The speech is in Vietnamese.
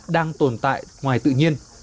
đang tồn tại ngoài tự nhiên